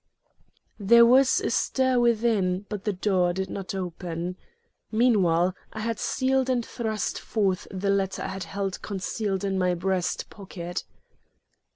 There was a stir within, but the door did not open. Meanwhile, I had sealed and thrust forth the letter I had held concealed in my breast pocket.